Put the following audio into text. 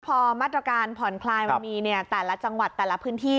พอมาตรการผ่อนคลายมันมีเนี่ยแต่ละจังหวัดแต่ละพื้นที่